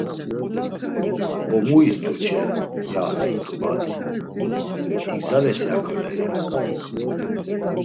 “Bo mu it̆ur ç̌e!” ya azit̆u badi; “İgzaleysi hakole?” ya.